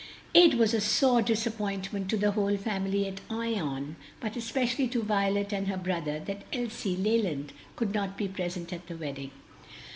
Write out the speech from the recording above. It was a sore disappointment to the whole family at Ion, but especially to Violet and her brother, that Elsie Leland could not be present at the wedding.